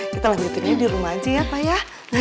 kita lanjutin aja di rumah aja ya pak ya